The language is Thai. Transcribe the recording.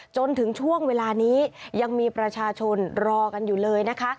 จนถึงช่วงเวลานี้ยังมีประชาชนรอกันอยู่เลยนะคะ